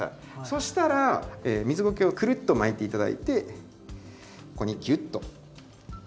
そしたら水ゴケをくるっと巻いて頂いてここにギュッと。